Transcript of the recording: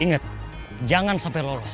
inget jangan sampai lolos